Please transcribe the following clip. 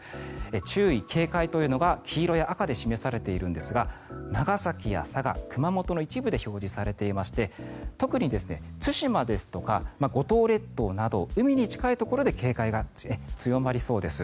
注意、警戒というのが黄色や赤で示されているんですが長崎や佐賀、熊本の一部で表示されていまして特に対馬ですとか五島列島など海に近いところで警戒が強まりそうです。